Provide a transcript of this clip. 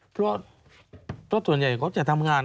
เพราะส่วนใหญ่เขาจะทำงาน